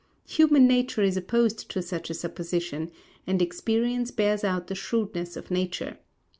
Human nature is opposed to such a supposition, and experience bears out the shrewdness of nature.